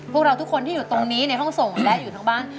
พวกเราทุกคนที่อยู่ตรงนี้ในห้องส่งและอยู่ทั้งบ้าน